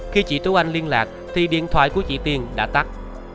khi chị tú anh liên lạc thì điện thoại của chị tiên đã tắt